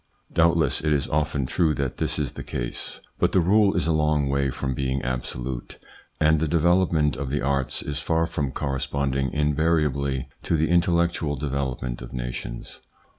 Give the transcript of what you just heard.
Doubtless it is often true that this is the case, but the rule is a long way from being absolute, and the development of the arts is far from corresponding invariably to the intellectual development of nations.